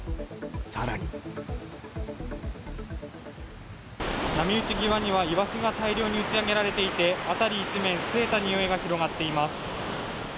更に波打ち際にはイワシが大量に打ち上げられていて辺り一面、すえたにおいが広がっています。